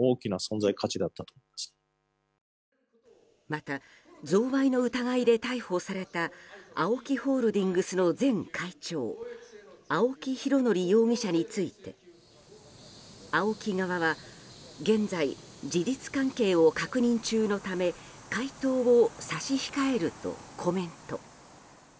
また贈賄の疑いで逮捕されたＡＯＫＩホールディングスの前会長青木拡憲容疑者についてＡＯＫＩ側は現在、事実関係を確認中のため回答を差し控えるとコメント。